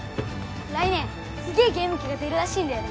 来年すげえゲーム機が出るらしいんだよね